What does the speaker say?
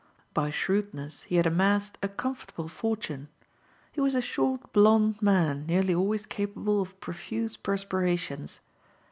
By shrewdness he had amassed a comfortable fortune. He was a short, blond man nearly always capable of profuse perspirations.